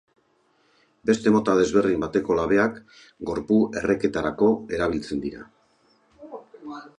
Beste mota desberdin bateko labeak gorpu-erreketarako erabiltzen dira.